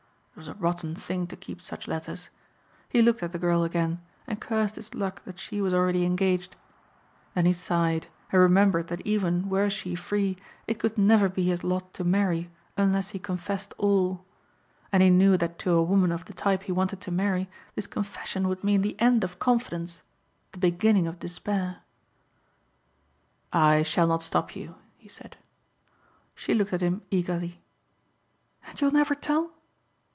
It was a rotten thing to keep such letters. He looked at the girl again and cursed his luck that she was already engaged. Then he sighed and remembered that even were she free it could never be his lot to marry unless he confessed all. And he knew that to a woman of the type he wanted to marry this confession would mean the end of confidence the beginning of despair. "I shall not stop you," he said. She looked at him eagerly. "And you'll never tell?"